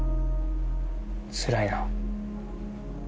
つらいな。